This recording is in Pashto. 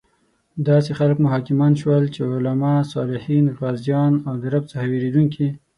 داسې خلک مو حاکمان شول چې علماء، صالحین، غازیان او د رب څخه ویریدونکي